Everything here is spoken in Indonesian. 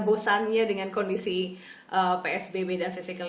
bisnis dan rendah benar fisikal